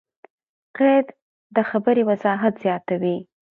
قید؛ د خبري وضاحت زیاتوي.